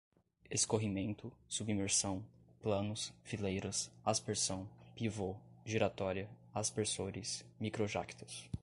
escorrimento, submersão, planos, fileiras, aspersão, pivô, giratória, aspersores, microjactos